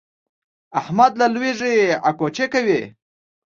احمد له لوږې اګوچې کوي.